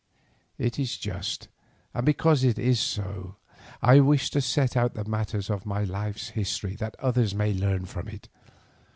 It is just, and because it is so I wish to set out the matter of my life's history that others may learn from it.